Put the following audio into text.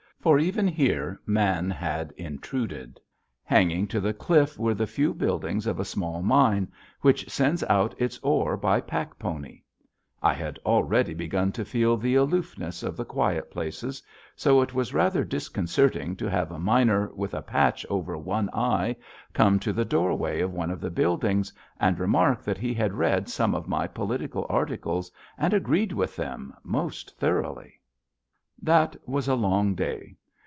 For even here man had intruded. Hanging to the cliff were the few buildings of a small mine which sends out its ore by pack pony. I had already begun to feel the aloofness of the quiet places, so it was rather disconcerting to have a miner with a patch over one eye come to the doorway of one of the buildings and remark that he had read some of my political articles and agreed with them most thoroughly. [Illustration: COPYRIGHT, 1916, BY L. D. LINDSLEY Looking out of ice cave, Lyman Glacier] That was a long day.